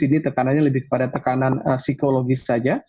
ini tekanannya lebih kepada tekanan psikologis saja